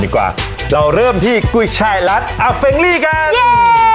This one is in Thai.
ดีกว่าเราเริ่มที่กุ้ยช่ายรัสอาเฟรงลี่กัน